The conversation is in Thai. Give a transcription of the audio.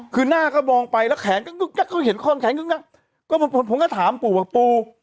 คือหน้าก็มองไปแล้วแขนก็งึกงักเขาเห็นข้อนแขนงึกงักก็ผมก็ถามปู่ว่าปู